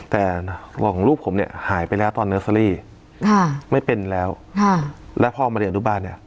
แต่ลูกผมเนี้ยหายไปแล้วตอนค่ะไม่เป็นแล้วค่ะแล้วพ่อมาเรียนอุบาลเนี้ย